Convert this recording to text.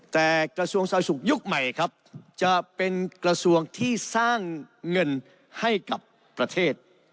แต่กระทรวงสาธารณสุขยุคใหม่ครับจะเป็นกระทรวงที่สร้างเงินให้กับประเทศ